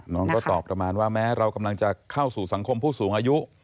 น้องก็ตอบประมาณว่าแม้เรากำลังจะเข้าสู่สังคมผู้สูงอายุ